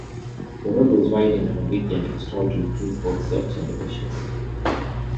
The road was widened and a median installed to increase both safety and efficiency.